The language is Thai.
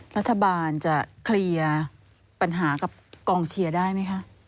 รัฐบาลจะเคลียร์ปัญหากับกองเชียร์ได้ไหมคะ